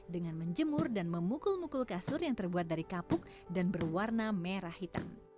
dengan menjemur dan memukul mukul kasur yang terbuat dari kapuk dan berwarna merah hitam